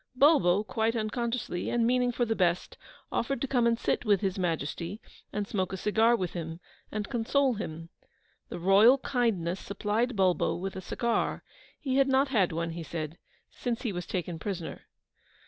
Bulbo, quite unconsciously, and meaning for the best, offered to come and sit with His Majesty, and smoke a cigar with him, and console him. The ROYAL KINDNESS supplied Bulbo with a cigar; he had not had one, he said, since he was taken prisoner.